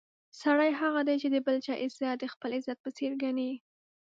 سړی هغه دی چې د بل چا عزت د خپل عزت په څېر ګڼي.